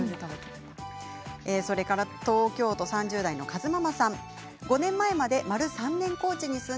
それから東京都３０代の方です。